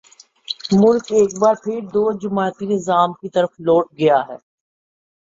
ملک ایک بار پھر دو جماعتی نظام کی طرف لوٹ گیا ہے۔